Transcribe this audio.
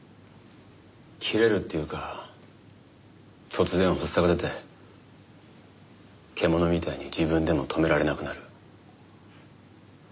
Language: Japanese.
キレるっていうか突然発作が出て獣みたいに自分でも止められなくなる。